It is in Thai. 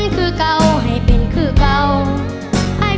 เก็บเอาไว้ก่อนคำว่าลาก่อนให้เป็นคือเก่าไอขอให้เจ้ากัน